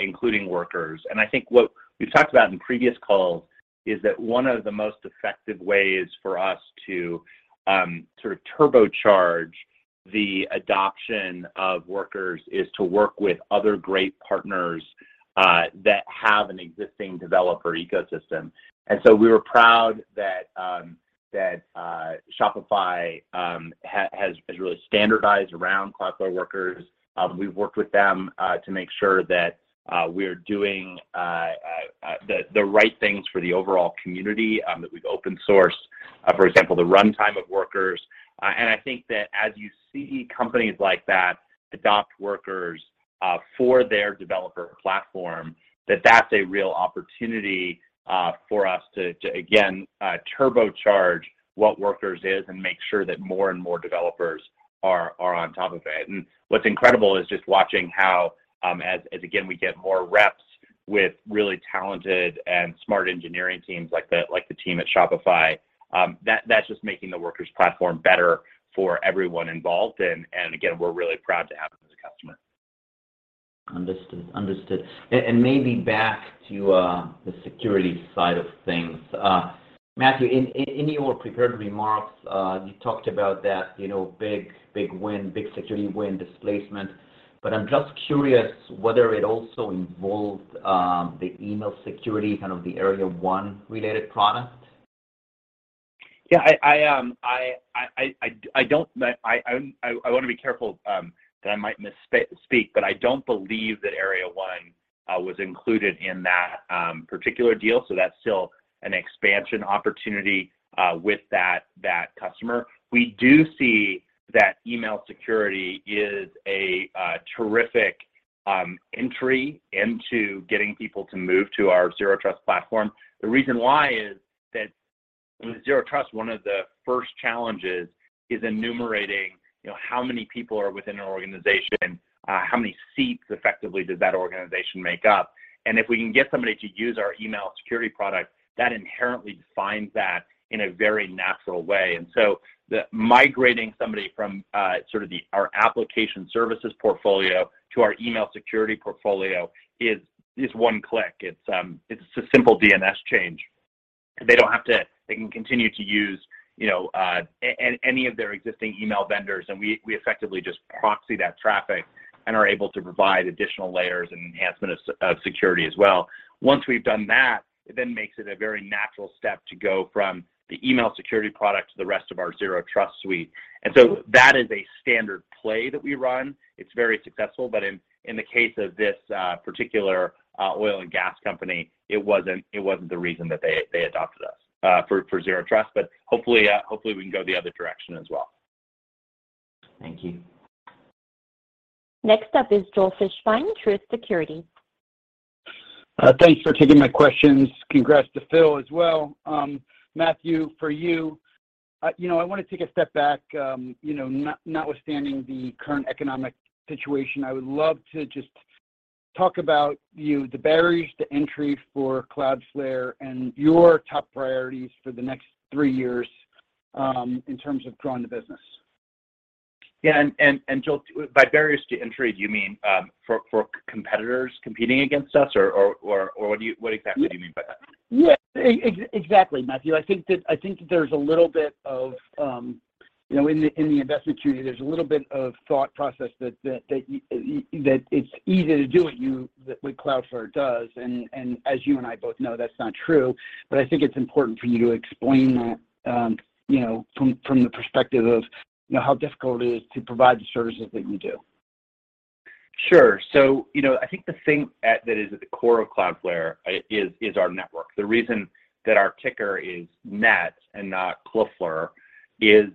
including Workers. I think what we've talked about in previous calls is that one of the most effective ways for us to sort of turbocharge the adoption of Workers is to work with other great partners that have an existing developer ecosystem. We were proud that Shopify has really standardized around Cloudflare Workers. We've worked with them to make sure that we're doing the right things for the overall community, that we've open sourced, for example, the runtime of Workers. I think that as you see companies like that adopt Workers for their developer platform, that's a real opportunity for us to again turbocharge what Workers is and make sure that more developers are on top of it. What's incredible is just watching how as again, we get more reps with really talented and smart engineering teams like the team at Shopify, that's just making the Workers platform better for everyone involved. Again, we're really proud to have them as a customer. Understood. Understood. Maybe back to the security side of things. Matthew, in your prepared remarks, you talked about that, you know, big win, big security win displacement, but I'm just curious whether it also involved the email security, kind of the Area 1 related product? Yeah, I want to be careful that I might misspeak, but I don't believe that Area 1 was included in that particular deal, so that's still an expansion opportunity with that customer. We do see that email security is a terrific entry into getting people to move to our Zero Trust platform. The reason why is that with Zero Trust, one of the first challenges is enumerating, you know, how many people are within an organization, how many seats effectively does that organization make up. If we can get somebody to use our email security product, that inherently defines that in a very natural way. Migrating somebody from sort of the, our application services portfolio to our email security portfolio is one click. It's a simple DNS change. They don't have to. They can continue to use, you know, any of their existing email vendors, and we effectively just proxy that traffic and are able to provide additional layers and enhancement of security as well. Once we've done that, it then makes it a very natural step to go from the email security product to the rest of our Zero Trust suite. That is a standard play that we run. It's very successful, but in the case of this particular oil and gas company, it wasn't the reason that they adopted us for Zero Trust. Hopefully, hopefully we can go the other direction as well. Thank you. Next up is Joel Fishbein, Truist Securities. Thanks for taking my questions. Congrats to Phil as well. Matthew, for you know, I wanna take a step back. You know, notwithstanding the current economic situation, I would love to just talk about the barriers to entry for Cloudflare and your top priorities for the next 3 years, in terms of growing the business. Yeah. Joel, by barriers to entry, do you mean, for competitors competing against us or what exactly do you mean by that? Yeah. Exactly, Matthew. I think that there's a little bit of, you know, in the investment community, there's a little bit of thought process that it's easy to do what Cloudflare does and as you and I both know, that's not true. I think it's important for you to explain that, you know, from the perspective of, you know, how difficult it is to provide the services that you do. Sure. You know, I think the thing that is at the core of Cloudflare is our network. The reason that our ticker is NET and not CLFLR is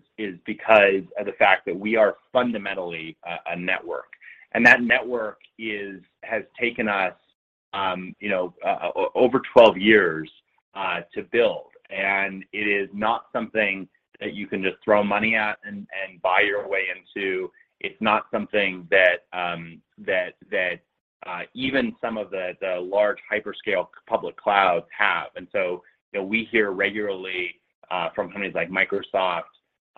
because of the fact that we are fundamentally a network, and that network has taken us, you know, over 12 years to build. It is not something that you can just throw money at and buy your way into. It's not something that even some of the large hyperscale public clouds have. You know, we hear regularly from companies like Microsoft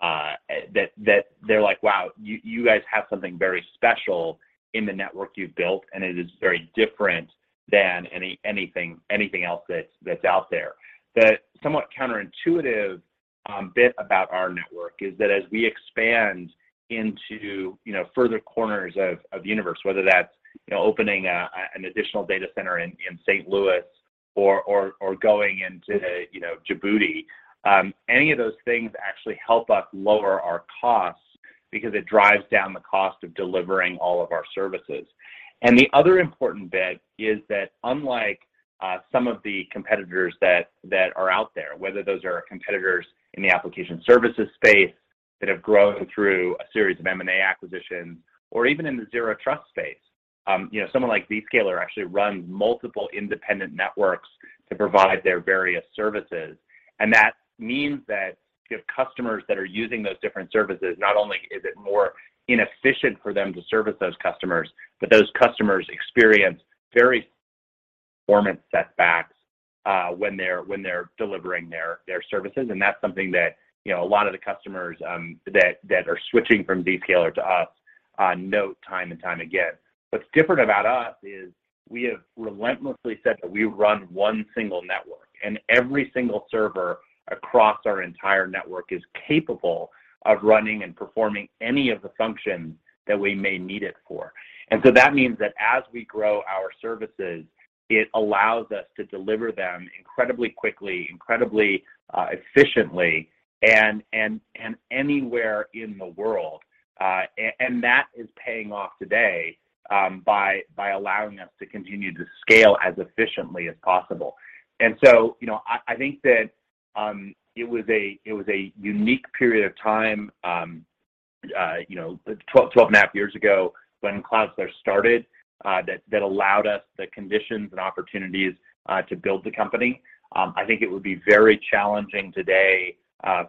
that they're like, "Wow, you guys have something very special in the network you've built, and it is very different than anything else that's out there." The somewhat counterintuitive bit about our network is that as we expand into, you know, further corners of the universe, whether that's, you know, opening an additional data center in St. Louis or going into, you know, Djibouti, any of those things actually help us lower our costs because it drives down the cost of delivering all of our services. The other important bit is that unlike some of the competitors that are out there, whether those are competitors in the application services space that have grown through a series of M&A acquisitions or even in the Zero Trust space, you know, someone like Zscaler actually runs multiple independent networks to provide their various services. That means that if customers that are using those different services, not only is it more inefficient for them to service those customers, but those customers experience very performance setbacks, when they're delivering their services. That's something that, you know, a lot of the customers that are switching from Zscaler to us, note time and time again. What's different about us is we have relentlessly said that we run 1 single network, and every single server across our entire network is capable of running and performing any of the functions that we may need it for. That means that as we grow our services, it allows us to deliver them incredibly quickly, incredibly efficiently and anywhere in the world. And that is paying off today by allowing us to continue to scale as efficiently as possible. You know, I think that it was a unique period of time, you know, 12 and a half years ago when Cloudflare started, that allowed us the conditions and opportunities to build the company. I think it would be very challenging today,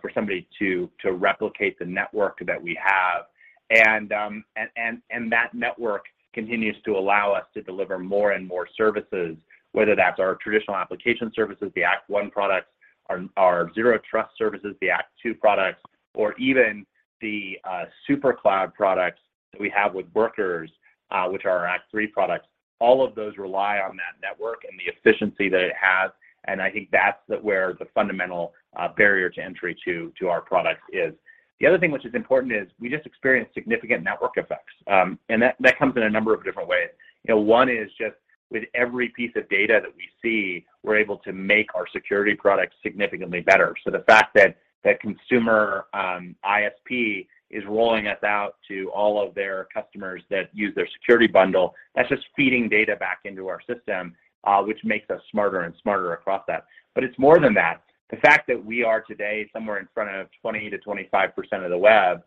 for somebody to replicate the network that we have. That network continues to allow us to deliver more and more services, whether that's our traditional application services, the Act 1 products, our Zero Trust services, the Act 2 products, or even the Supercloud products that we have with Workers, which are our Act 3 products. All of those rely on that network and the efficiency that it has, and I think that's where the fundamental barrier to entry to our products is. The other thing which is important is we just experienced significant network effects. That comes in a number of different ways. You know, one is just with every piece of data that we see, we're able to make our security products significantly better. The fact that that consumer, ISP is rolling us out to all of their customers that use their security bundle, that's just feeding data back into our system, which makes us smarter and smarter across that. It's more than that. The fact that we are today somewhere in front of 20%-25% of the web,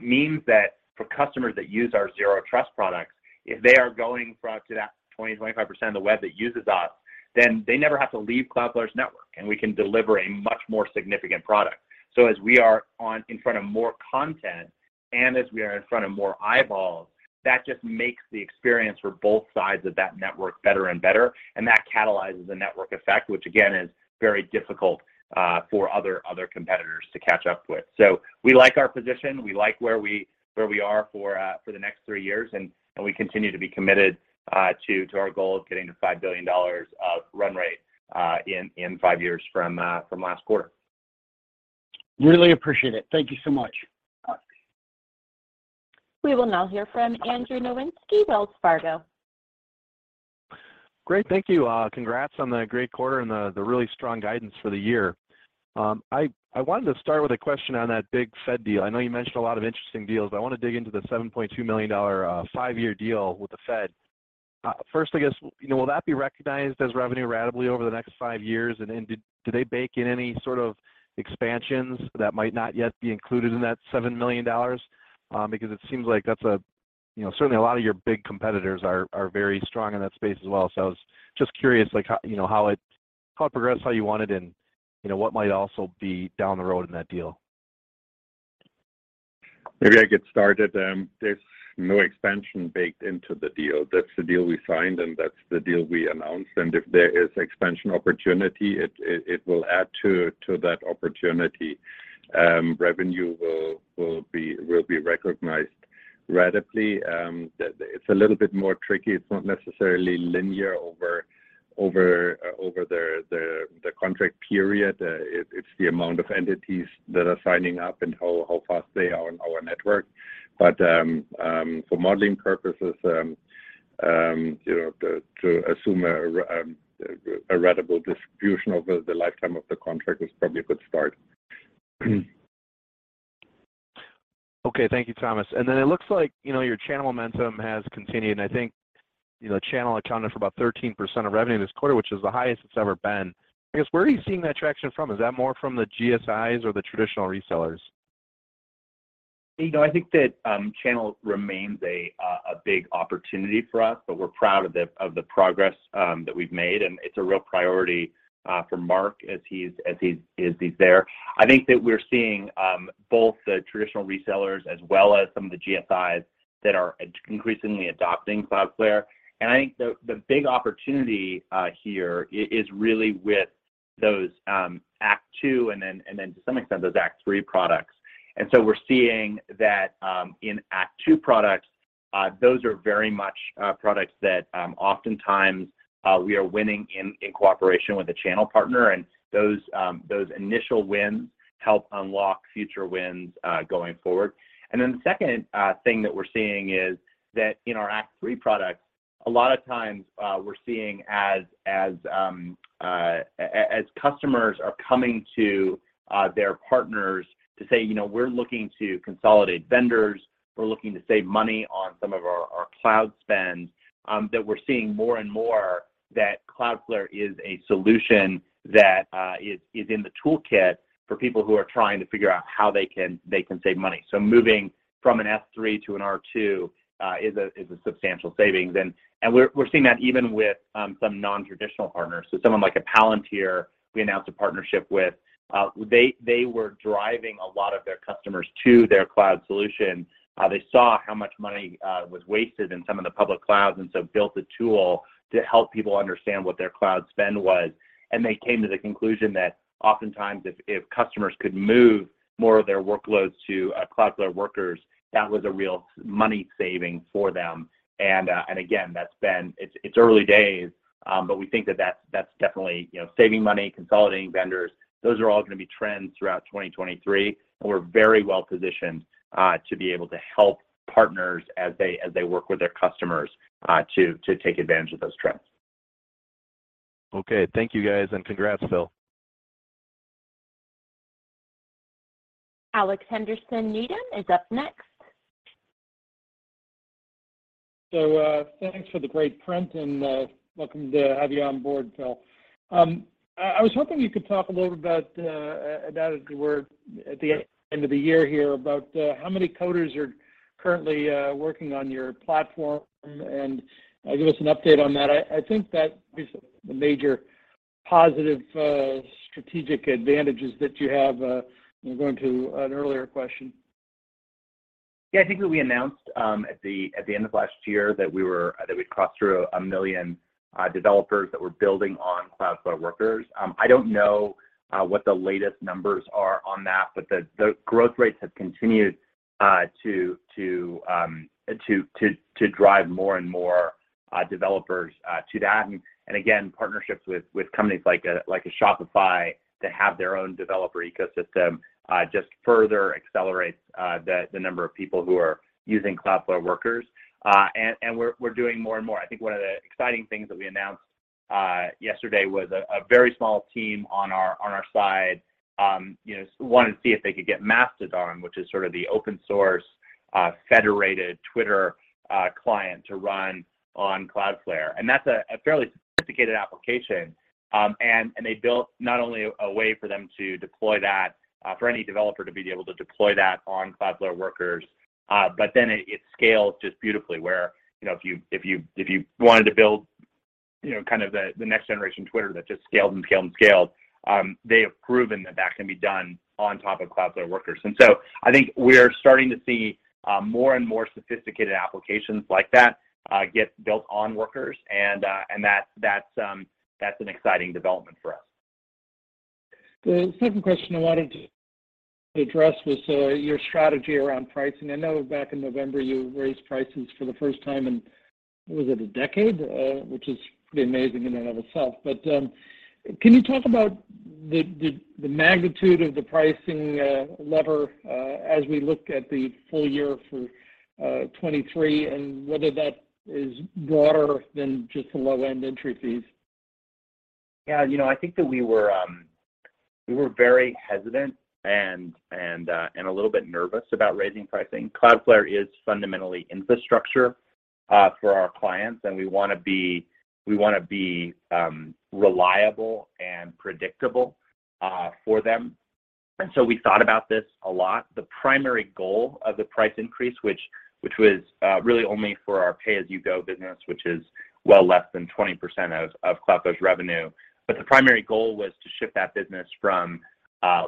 means that for customers that use our Zero Trust products, if they are going to that 20%, 25% of the web that uses us, then they never have to leave Cloudflare's network, and we can deliver a much more significant product. As we are in front of more content and as we are in front of more eyeballs, that just makes the experience for both sides of that network better and better, and that catalyzes a network effect, which again, is very difficult for other competitors to catch up with. We like our position. We like where we are for the next 3 years, and we continue to be committed to our goal of getting to $5 billion of run rate in 5 years from last quarter. Really appreciate it. Thank you so much. We will now hear from Andrew Nowinski, Wells Fargo. Great. Thank you. Congrats on the great quarter and the really strong guidance for the year. I wanted to start with a question on that big Fed deal. I know you mentioned a lot of interesting deals, but I wanna dig into the $7.2 million, 5-year deal with the Fed. First I guess, you know, will that be recognized as revenue ratably over the next five years? Then did they bake in any sort of expansions that might not yet be included in that $7 million? Because it seems like that's a, you know, certainly a lot of your big competitors are very strong in that space as well. I was just curious like how, you know, how it progressed, how you want it and, you know, what might also be down the road in that deal. Maybe I get started. There's no expansion baked into the deal. That's the deal we signed, and that's the deal we announced. If there is expansion opportunity, it will add to that opportunity. Revenue will be recognized ratably. It's a little bit more tricky. It's not necessarily linear over the contract period. It's the amount of entities that are signing up and how fast they are on our network. For modeling purposes, you know, to assume a ratable distribution over the lifetime of the contract is probably a good start. Okay. Thank you, Thomas. It looks like, you know, your channel momentum has continued, and I think, you know, channel accounted for about 13% of revenue this quarter, which is the highest it's ever been. I guess, where are you seeing that traction from? Is that more from the GSIs or the traditional resellers? You know, I think that channel remains a big opportunity for us, but we're proud of the progress that we've made, and it's a real priority for Marc as he's there. I think that we're seeing both the traditional resellers as well as some of the GSIs that are increasingly adopting Cloudflare. I think the big opportunity here is really Act 3 and then to some Act 3 products. We're seeing Act 3 products, those are very much products that oftentimes we are winning in cooperation with a channel partner. Those initial wins help unlock future wins going forward. The second thing that we're seeing is that in our Act 3 products, a lot of times, we're seeing as customers are coming to their partners to say, "You know, we're looking to consolidate vendors, we're looking to save money on some of our cloud spends," that we're seeing more and more that Cloudflare is a solution that is in the toolkit for people who are trying to figure out how they can save money. So moving from an S3 to an R2 is a substantial savings. And we're seeing that even with some non-traditional partners. So someone like a Palantir we announced a partnership with, they were driving a lot of their customers to their cloud solution. They saw how much money was wasted in some of the public clouds and so built a tool to help people understand what their cloud spend was. They came to the conclusion that oftentimes if customers could move more of their workloads to Cloudflare Workers, that was a real money saving for them. Again, that spend, it's early days, but we think that's definitely, you know, saving money, consolidating vendors, those are all gonna be trends throughout 2023, and we're very well positioned to be able to help partners as they work with their customers to take advantage of those trends. Okay. Thank you, guys, and congrats, Phil. Alex Henderson Needham is up next. Thanks for the great print and welcome to have you on board, Phil. I was hoping you could talk a little about as we're at the end of the year here, about how many coders are currently working on your platform and give us an update on that. I think that is the major positive strategic advantages that you have, you know, going to an earlier question. Yeah. I think that we announced at the end of last year that we'd crossed through 1 million developers that were building on Cloudflare Workers. I don't know what the latest numbers are on that, but the growth rates have continued to drive more and more developers to that. Again, partnerships with companies like a Shopify that have their own developer ecosystem just further accelerates the number of people who are using Cloudflare Workers. And we're doing more and more. I think one of the exciting things that we announced yesterday was a very small team on our side, you know, wanted to see if they could get Mastodon, which is sort of the open source federated Twitter client, to run on Cloudflare. That's a fairly sophisticated application. They built not only a way for them to deploy that for any developer to be able to deploy that on Cloudflare Workers, it scales just beautifully. Where, you know, if you wanted to build, you know, kind of the next generation Twitter that just scaled and scaled and scaled, they have proven that that can be done on top of Cloudflare Workers. I think we're starting to see more and more sophisticated applications like that get built on Workers and that's an exciting development for us. The second question I wanted to address was your strategy around pricing. I know back in November you raised prices for the first time in, was it a decade? Which is pretty amazing in and of itself. Can you talk about the magnitude of the pricing lever as we look at the full year for 2023, and whether that is broader than just the low-end entry fees? You know, I think that we were very hesitant and a little bit nervous about raising pricing. Cloudflare is fundamentally infrastructure for our clients, and we wanna be reliable and predictable for them, and so we thought about this a lot. The primary goal of the price increase, which was really only for our pay-as-you-go business, which is well less than 20% of Cloudflare's revenue. The primary goal was to shift that business from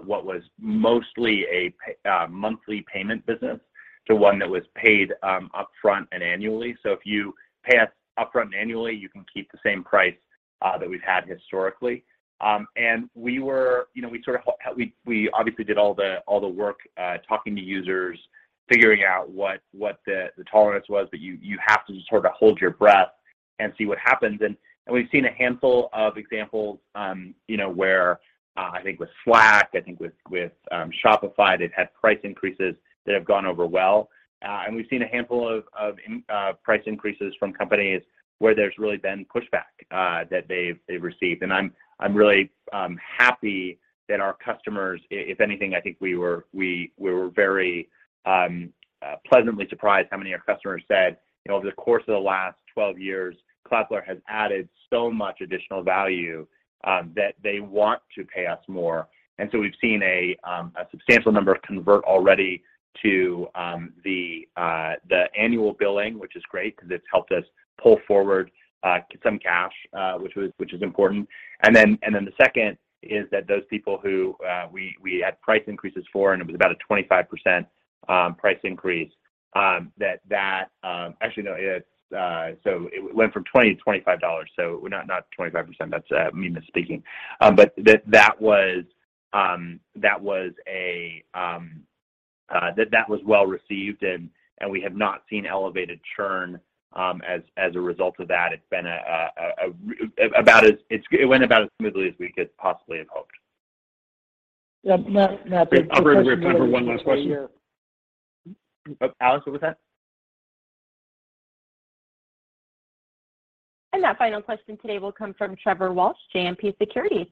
what was mostly a monthly payment business to one that was paid upfront and annually. If you pay us upfront annually, you can keep the same price that we've had historically. You know, we sort of we obviously did all the work, talking to users, figuring out what the tolerance was, but you have to just sort of hold your breath and see what happens. We've seen a handful of examples, you know, where I think with Slack, I think with Shopify, they've had price increases that have gone over well. We've seen a handful of price increases from companies where there's really been pushback that they've received. I'm really happy that our customers... If anything, I think we were very pleasantly surprised how many of our customers said, you know, over the course of the last 12 years, Cloudflare has added so much additional value that they want to pay us more. We've seen a substantial number convert already to the annual billing, which is great 'cause it's helped us pull forward some cash, which is important. The second is that those people who we had price increases for, and it was about a 25% price increase that. Actually, no, it so it went from $20 to $25, so not 25%. That's me misspeaking. That was, that was a, that was well-received and we have not seen elevated churn, as a result of that. It's been a about as, it went about as smoothly as we could possibly have hoped. Yeah. No. Operator, we have time for one last question. Alex, what was that? That final question today will come from Trevor Walsh, JMP Securities.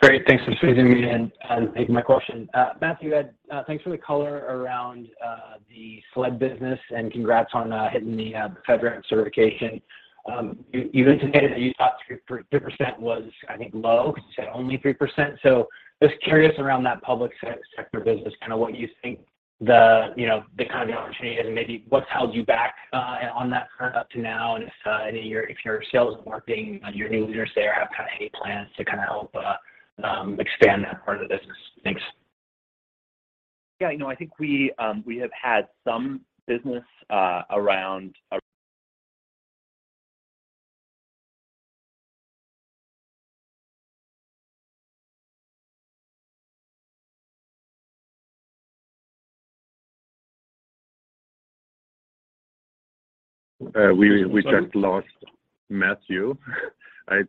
Great. Thanks for squeezing me in and taking my question. Matthew, thanks for the color around the SLED business and congrats on hitting the FedRAMP certification. You indicated that you thought 3% was, I think, low. You said only 3%. Just curious around that public sector business, kinda what you think the, you know, the kind of the opportunity is and maybe what's held you back on that front up to now and if any of your sales and marketing, your new leaders there have kinda any plans to kinda help expand that part of the business. Thanks. Yeah, you know, I think we have had some business around. We just lost Matthew, I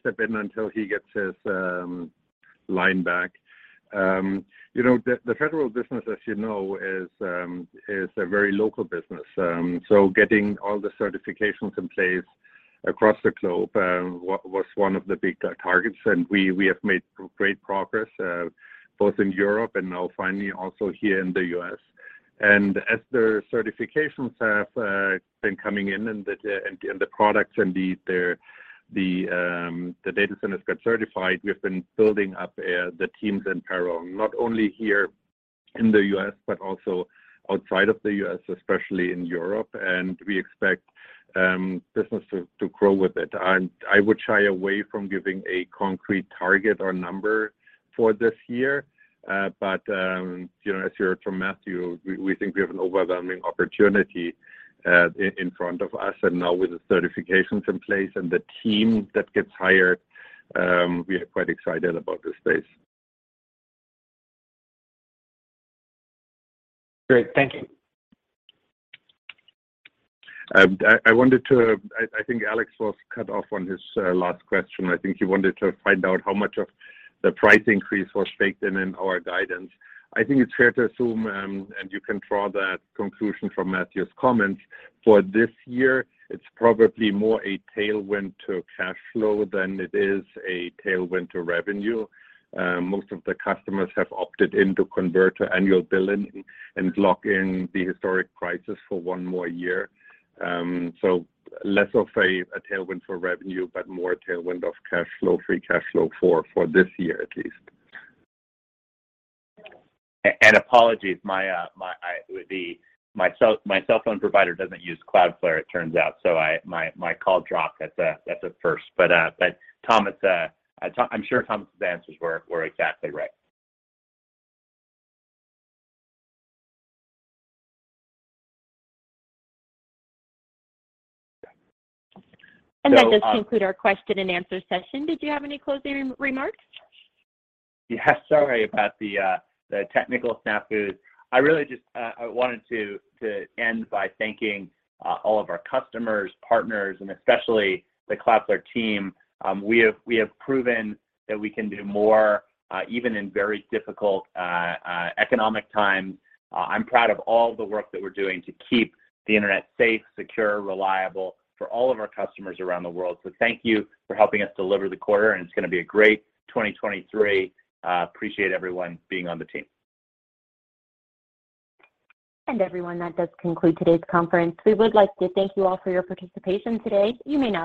step in until he gets his line back. You know, the federal business, as you know, is a very local business. Getting all the certifications in place across the globe was one of the big targets, we have made great progress both in Europe and now finally also here in the U.S. As the certifications have been coming in and the products and the data centers get certified, we have been building up the teams in parallel, not only here in the U.S., but also outside of the U.S., especially in Europe, we expect business to grow with it. I would shy away from giving a concrete target or number for this year. You know, as you heard from Matthew, we think we have an overwhelming opportunity in front of us. Now with the certifications in place and the team that gets hired, we are quite excited about this space. Great. Thank you. I think Alex was cut off on his last question. I think he wanted to find out how much of the price increase was baked in in our guidance. I think it's fair to assume, and you can draw that conclusion from Matthew's comments, for this year it's probably more a tailwind to cash flow than it is a tailwind to revenue. Most of the customers have opted in to convert to annual billing and lock in the historic prices for one more year. Less of a tailwind for revenue, but more a tailwind of cash flow, free cash flow for this year at least. Apologies. My cell phone provider doesn't use Cloudflare it turns out, so my call dropped. That's a first. Thomas, I'm sure Thomas' answers were exactly right. That does conclude our question and answer session. Did you have any closing remarks? Yeah, sorry about the technical snafu. I really just, I wanted to end by thanking all of our customers, partners, and especially the Cloudflare team. We have proven that we can do more even in very difficult economic times. I'm proud of all the work that we're doing to keep the internet safe, secure, reliable for all of our customers around the world. Thank you for helping us deliver the quarter, and it's gonna be a great 2023. Appreciate everyone being on the team. Everyone, that does conclude today's conference. We would like to thank you all for your participation today. You may now disconnect.